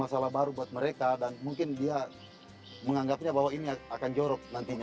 masalah baru buat mereka dan mungkin dia menganggapnya bahwa ini akan jorok nantinya